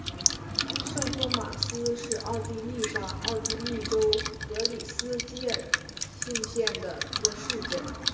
圣托马斯是奥地利上奥地利州格里斯基尔兴县的一个市镇。